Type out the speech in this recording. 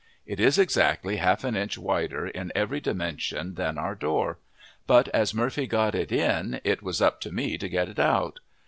It is exactly half an inch wider in every dimension than our door but as Murphy got it in it was up to me to get it out.